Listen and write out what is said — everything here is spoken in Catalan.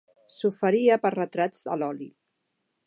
S'oferia per fer retrats a l'oli.